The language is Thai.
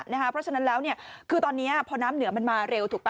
เพราะฉะนั้นแล้วคือตอนนี้พอน้ำเหนือมันมาเร็วถูกป่